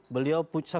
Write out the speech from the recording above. beliau sosok kekuatan